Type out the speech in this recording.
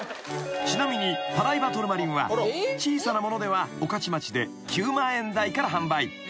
［ちなみにパライバトルマリンは小さなものでは御徒町で９万円台から販売］